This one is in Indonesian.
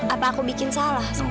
apa aku bikin salah